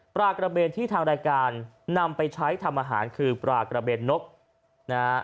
ปลากระเบนที่ทางรายการนำไปใช้ทำอาหารคือปลากระเบนนกนะฮะ